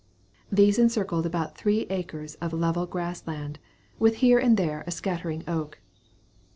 These encircled about three acres of level grass land, with here and there a scattering oak.